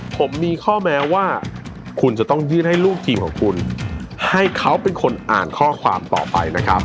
ผมมีข้อแม้ว่าคุณจะต้องยื่นให้ลูกทีมของคุณให้เขาเป็นคนอ่านข้อความต่อไปนะครับ